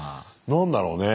何だろうね？